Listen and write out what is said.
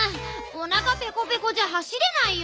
おなかぺこぺこじゃ走れないよ。